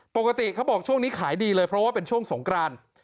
ปกติเขาบอกช่วงนี้ขายดีเลยเพราะว่าเป็นช่วงสงกราน